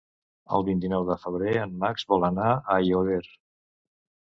El vint-i-nou de febrer en Max vol anar a Aiòder.